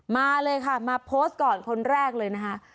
มาเลยค่ะมาโพสต์ก่อนคนแรกเลยนะคะ